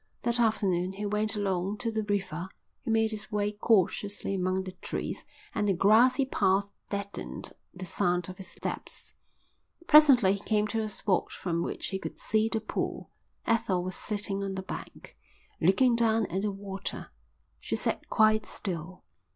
That afternoon he went along to the river. He made his way cautiously among the trees and the grassy path deadened the sound of his steps. Presently he came to a spot from which he could see the pool. Ethel was sitting on the bank, looking down at the water. She sat quite still.